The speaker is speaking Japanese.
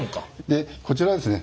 でこちらはですね